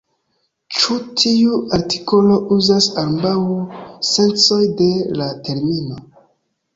Ĉi tiu artikolo uzas ambaŭ sencoj de la termino.